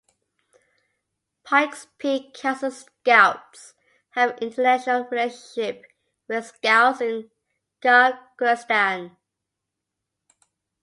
Pikes Peak Council Scouts have an international relationship with Scouts in Kyrgyzstan.